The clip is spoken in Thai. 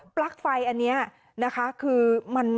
ปลั๊กไฟอันนี้นะคะ